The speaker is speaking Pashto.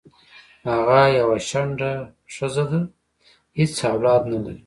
هغه یوه شنډه خځه ده حیڅ اولاد نه لری